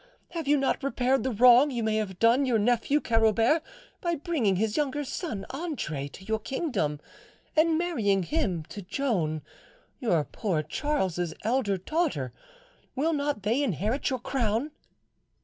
Have you not repaired the wrong you may have done your nephew Carobert, by bringing his younger son Andre to your kingdom and marrying him to Joan, your poor Charles's elder daughter? Will not they inherit your crown?"